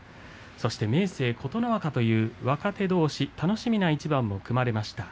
明生、琴ノ若という若手どうし楽しみな一番も組まれました。